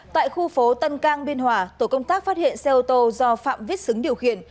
tại khu phố tân biên hòa tổ công tác phát hiện xe ô tô do phạm viết xứng điều khiển